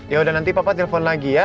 yaudah nanti papa telepon lagi ya